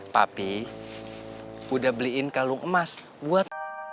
tapi udah beliin kalung emas buat